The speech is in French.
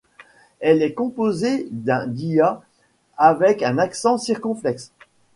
Elle est composée d’un ia avec un accent circonflexe.